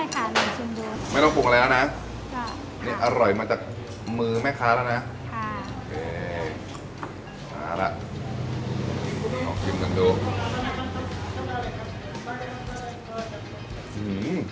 ใช่ค่ะหน่อยชิมดูไม่ต้องปรุงอะไรแล้วนะอร่อยมาจากมือแม่ค้าแล้วนะโอเคเอาล่ะเอากินกันดู